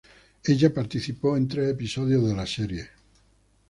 Ella participó en tres episodios de la serie.